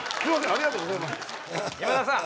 ありがとうございます今田さん